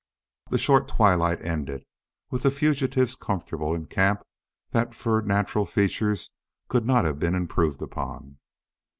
The short twilight ended with the fugitives comfortable in a camp that for natural features could not have been improved upon.